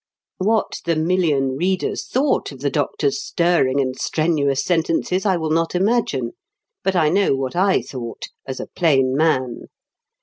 What the million readers thought of the Doctor's stirring and strenuous sentences I will not imagine; but I know what I thought, as a plain man.